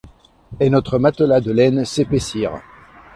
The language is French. Et notre matelas de laine s'épaissir.